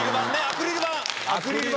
アクリル板！